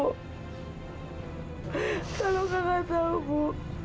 kalau enggak tahu bu